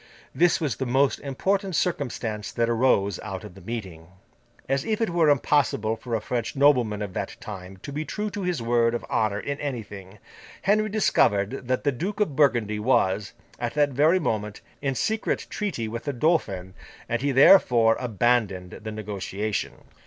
This was the most important circumstance that arose out of the meeting. As if it were impossible for a French nobleman of that time to be true to his word of honour in anything, Henry discovered that the Duke of Burgundy was, at that very moment, in secret treaty with the Dauphin; and he therefore abandoned the negotiation.